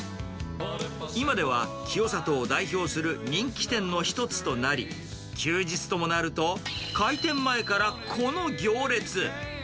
今では清里を代表する人気店の一つとなり、休日ともなると、開店前からこの行列。